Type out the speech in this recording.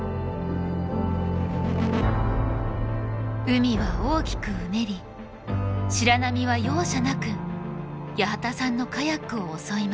海は大きくうねり白波は容赦なく八幡さんのカヤックを襲います。